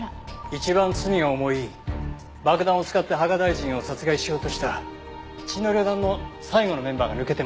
一番罪が重い爆弾を使って芳賀大臣を殺害しようとした血の旅団の最後のメンバーが抜けてます。